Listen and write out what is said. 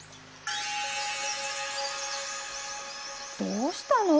どうしたの？